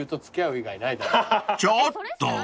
［ちょっと！］